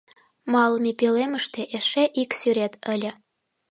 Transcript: Малыме пӧлемыште эше ик сӱрет ыле.